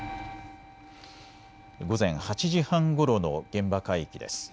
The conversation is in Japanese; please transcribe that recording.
午前８時半ごろの現場海域です。